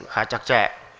khá chặt chẽ